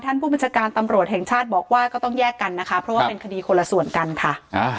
ผู้บัญชาการตำรวจแห่งชาติบอกว่าก็ต้องแยกกันนะคะเพราะว่าเป็นคดีคนละส่วนกันค่ะ